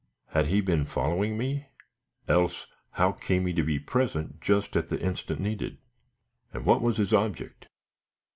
Had he been following me? Else how came he to be present just at the instant needed? And what was his object?